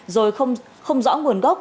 rồi không rõ nguồn gốc